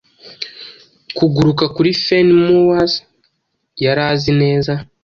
Kuguruka kuri fen-moors yari azi neza